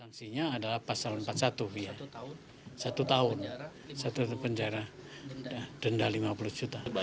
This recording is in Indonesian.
sanksinya adalah pasal empat puluh satu tahun satu tahun penjara denda lima puluh juta